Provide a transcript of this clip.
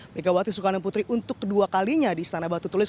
mereka waktu suka nama putri untuk kedua kalinya di istana batu tulis